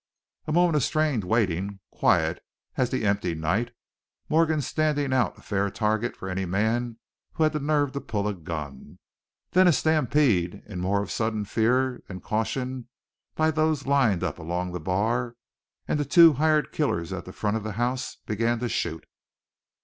A moment of strained waiting, quiet as the empty night, Morgan standing out a fair target for any man who had the nerve to pull a gun. Then a stampede in more of sudden fear than caution by those lined up along the bar, and the two hired killers at the front of the house began to shoot.